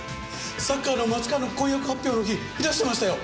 サッカーの松川の婚約発表の日いらしてましたよ